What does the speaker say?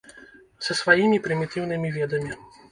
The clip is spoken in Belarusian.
Са сваімі прымітыўнымі ведамі.